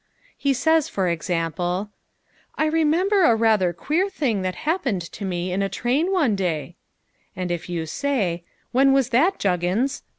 He says for example "I remember a rather queer thing that happened to me in a train one day " And if you say "When was that Juggins?"